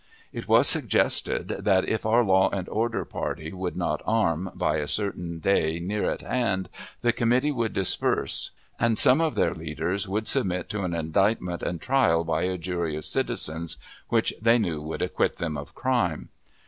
It was suggested that, if our Law and Order party would not arm, by a certain day near at hand the committee would disperse, and some of their leaders would submit to an indictment and trial by a jury of citizens, which they knew would acquit them of crime.